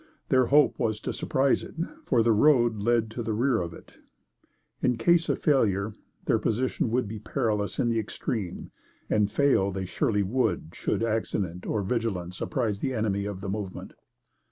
Their hope was to surprise it, for the road led to the rear of it. In case of failure, their position would be perilous in the extreme; and fail they surely would, should accident or vigilance apprise the enemy of the movement.